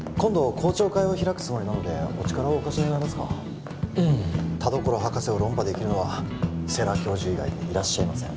公聴会を開くつもりなのでお力をお貸し願えますかうん田所博士を論破できるのは世良教授以外にいらっしゃいません